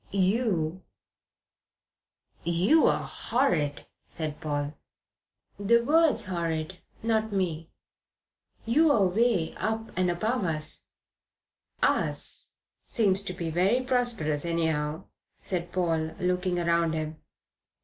You " "You're horrid," said Paul. "The word's horrid, not me. You're away up above us." "'Us' seems to be very prosperous, anyhow," said Paul, looking round him.